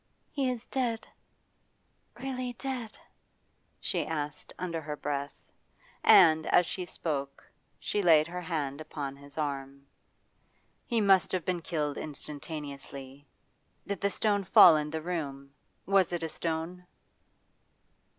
'He is dead really dead?' she asked under her breath. And, as she spoke, she laid her hand upon his arm. 'He must have been killed instantaneously. Did the stone fall in the room? Was it a stone?